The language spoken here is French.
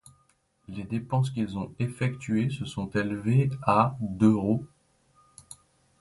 Les dépenses qu'ils ont effectuées se sont élevées à d'euros.